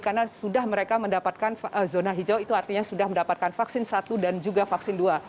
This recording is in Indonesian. karena sudah mereka mendapatkan zona hijau itu artinya sudah mendapatkan vaksin satu dan juga vaksin dua